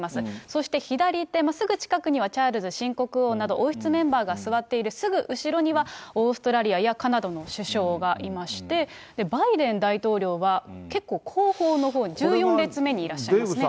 そして左手、すぐ近くにはチャールズ新国王など、王室メンバーが座っている、すぐ後ろには、オーストラリアやカナダの首相がいまして、バイデン大統領は、結構、後方のほうに、１４列目にいらっしゃったんですね。